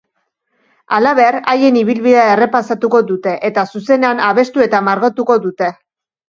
Halaber, haien ibilbidea errepasatuko dute eta zuzenean abestu eta margotuko dute.